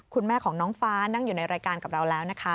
คุณแม่ของน้องฟ้านั่งอยู่ในรายการกับเราแล้วนะคะ